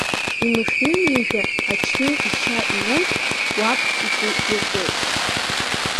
Имышҩынҩажәа аҽны ишьа иур, уаб игәы ирдоит.